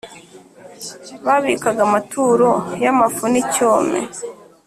babikaga amaturo y’amafu n’icyome